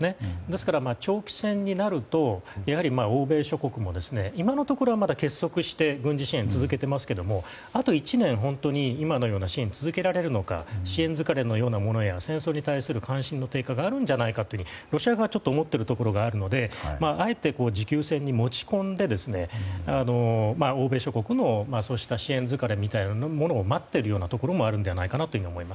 ですから、長期戦になると欧米諸国が今のところはまだ結束して軍事支援を続けていますがあと１年今のような支援を続けられるのか支援疲れのようなものや戦争に対する関心の低下があるんじゃないかと、ロシア側は思っているところがあるのであえて持久戦に持ち込んで欧米諸国の支援疲れを待っているようなところもあるのではないかなと思います。